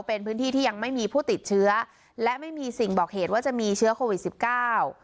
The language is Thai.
เป็นพื้นที่ที่ยังไม่มีผู้ติดเชื้อและไม่มีสิ่งบอกเหตุว่าจะมีเชื้อโควิดสิบเก้า